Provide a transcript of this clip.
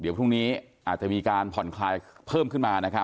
เดี๋ยวพรุ่งนี้อาจจะมีการผ่อนคลายเพิ่มขึ้นมานะครับ